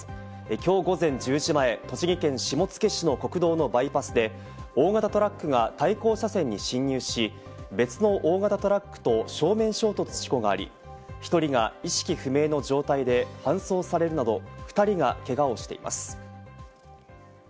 今日午前１０時前、栃木県下野市の国道のバイパスで、大型トラックが対向車線に進入し、別の大型トラックと正面衝突する事故があり、１人が意識不明の状態で搬送されるなど、２人がけがをしています。